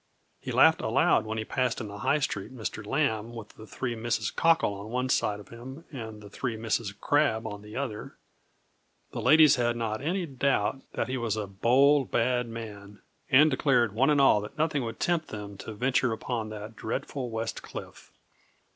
He laughed aloud when he passed in the High Street Mr. Lambe with the three Misses Cockle on one side of him, and the three Misses Crabbe on the other. The ladies had not any doubt that he was a bold bad man, and declared one and all that nothing would tempt them to venture upon that dreadful West Cliff.